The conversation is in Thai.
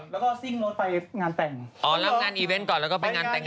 เลิศแบบนี้แล้วก็ซิ่งไปงานแต่ง